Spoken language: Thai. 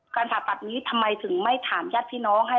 การผ่าตัดนี้ทำไมถึงไม่ถามยัดพี่น้อง